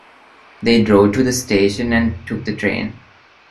They drove to the station and took the train.